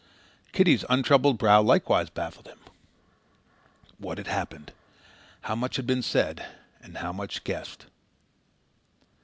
Kitty's untroubled brow likewise baffled him. What had happened? How much had been said? and how much guessed?